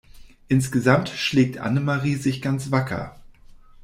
Insgesamt schlägt Annemarie sich ganz wacker.